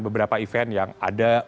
beberapa event yang ada